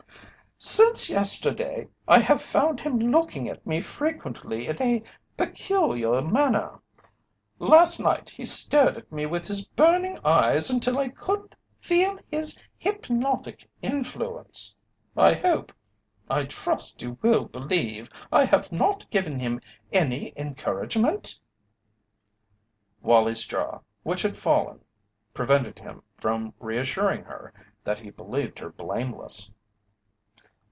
"Since yesterday I have found him looking at me frequently in a peculiar manner. Last night he stared at me with his burning eyes until I could feel his hypnotic influence. I hope I trust you will believe I have not given him any encouragement?" Wallie's jaw, which had fallen, prevented him from reassuring her that he believed her blameless.